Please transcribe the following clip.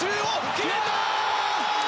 決めた！